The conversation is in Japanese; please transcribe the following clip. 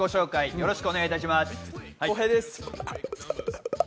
よろしくお願いします。